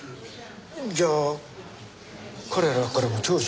じゃあ彼らからも聴取を？